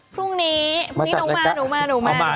พรุ่งนี้นุ้กมา